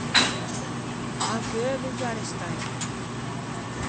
Ancheu veuggio arrestâ in cà.